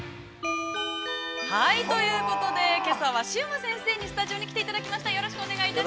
◆ということで、けさはシウマ先生にスタジオに来ていただきました。